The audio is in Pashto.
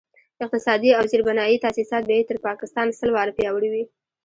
اقتصادي او زیربنایي تاسیسات به یې تر پاکستان سل واره پیاوړي وي.